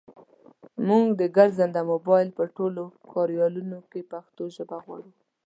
مونږ د ګرځنده مبایل په ټولو کاریالونو کې پښتو ژبه غواړو.